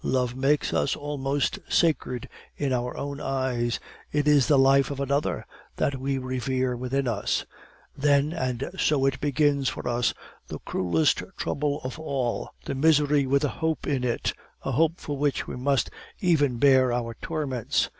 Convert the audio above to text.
Love makes us almost sacred in our own eyes; it is the life of another that we revere within us; then and so it begins for us the cruelest trouble of all the misery with a hope in it, a hope for which we must even bear our torments.